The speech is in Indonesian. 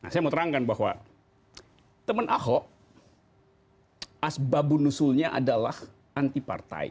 saya mau terangkan bahwa teman ahok asbabunusulnya adalah antipartai